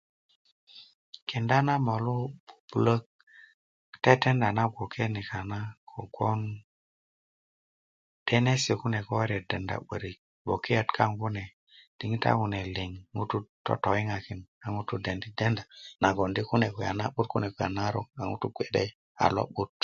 kenda na molu bubulö tetenda na gwoke nikana na kobgon denesi kune ko ere denda 'börik gwokeyöt kune diŋitan kune liŋ ŋutu' totoyiŋakin ko 'börik a ŋutu' dendi' denda adi kune kulya a na'but kune kulya a narok ŋutu' bge a lo'but